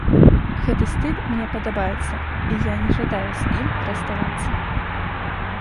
Гэты стыль мне падабаецца, і я не жадаю з ім расставацца.